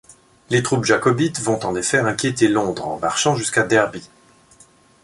Les troupes jacobites vont en effet inquiéter Londres en marchant jusqu'à Derby.